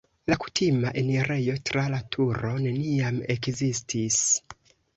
La kutima enirejo tra la turo neniam ekzistis.